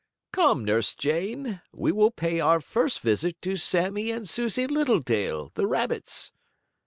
Come, Nurse Jane, we will pay our first visit to Sammie and Susie Littletail, the rabbits."